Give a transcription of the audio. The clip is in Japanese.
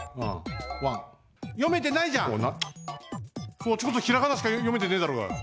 そっちこそひらがなしかよめてねえだろうが！